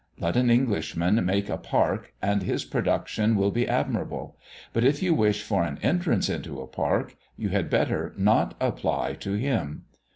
Let an Englishman make a park, and his production will be admirable; but if you wish for an entrance into a park, you had better not apply to him.